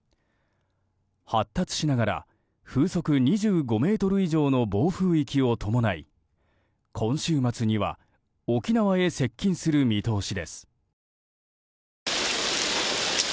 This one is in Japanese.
発達しながら風速２５メートル以上の暴風域を伴い今週末には沖縄へ接近する見通しです。